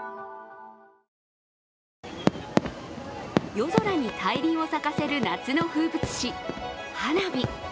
夜空に大輪を咲かせる夏の風物詩、花火。